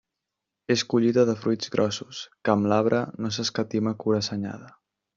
És collita de fruits grossos, que amb l'arbre no s'escatima cura assenyada.